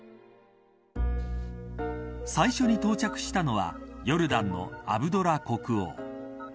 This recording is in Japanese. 最初に到着したのはヨルダンのアブドラ国王。